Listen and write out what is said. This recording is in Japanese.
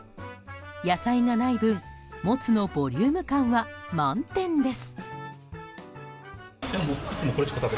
野菜がない分もつのボリューム感は満点です。